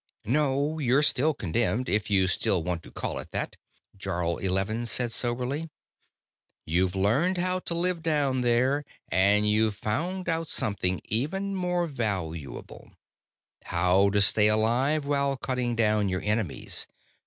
"No, you're still condemned, if you still want to call it that," Jarl Eleven said soberly. "You've learned how to live down there, and you've found out something even more valuable: how to stay alive while cutting down your enemies.